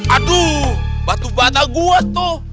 aduh batu batak gue tuh